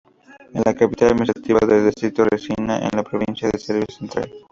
Es la capital administrativa del distrito Rasina en la provincia de Serbia Central.